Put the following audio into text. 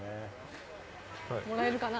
もらえるかな？